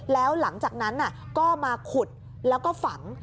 แล้วหลังจากนั้นก็มาขุดแล้วก็ฝัง